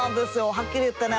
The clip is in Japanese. はっきり言ってね